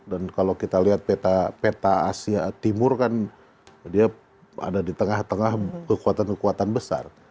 dan kalau kita lihat peta asia timur kan dia ada di tengah tengah kekuatan kekuatan besar